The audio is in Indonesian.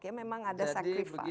ya memang ada sacrifice